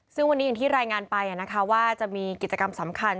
ซึ่งวันนี้อย่างที่รายงานไปว่าจะมีกิจกรรมสำคัญ